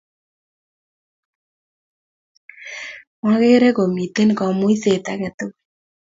Mokere komitei kamuiset age tugul